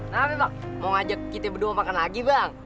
nanti pak mau ngajak kita berdua makan lagi bang